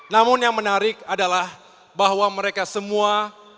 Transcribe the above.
namun yang menarik adalah bahwa mereka semua